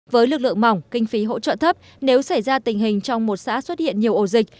với lực lượng mỏng kinh phí hỗ trợ thấp nếu xảy ra tình hình trong một xã xuất hiện nhiều ổ dịch